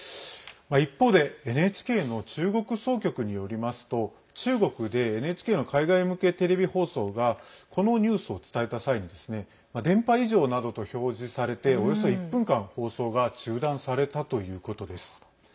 一方でＮＨＫの中国総局によりますと中国で、ＮＨＫの海外向けテレビ放送がこのニュースを伝えた際に「電波異常」などと表示されておよそ１分間放送が中断されたということです。